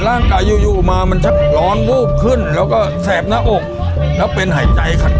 ร่างกายอยู่อยู่มามันชักร้อนวูบขึ้นแล้วก็แสบหน้าอกแล้วเป็นหายใจครับ